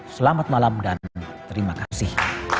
selamat malam dan terima kasih